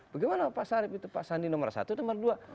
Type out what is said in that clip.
saya mengatakan pak sarip itu pak sandi nomor satu nomor dua